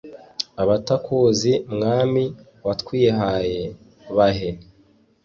abatakuzi mwami watwihaye, bahe